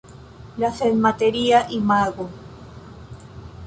La senmateria imago.